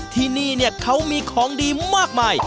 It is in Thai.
ที่นี่เขามีของดีมากมาย